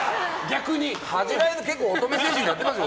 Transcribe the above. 恥じらいの乙女精神でやってますよ。